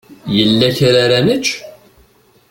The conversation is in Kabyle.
Yella kra ara nečč?